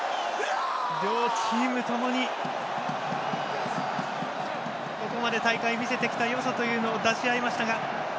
両チームともにここまで大会見せてきたよさというのを出し合いましたが。